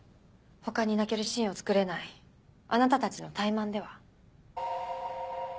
他に泣けるシーンを作れないあなたたちの怠慢では？